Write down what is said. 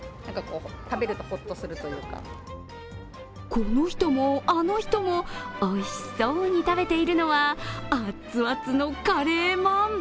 この人も、あの人も、おいしそうに食べているのはあっつあつのカレーまん。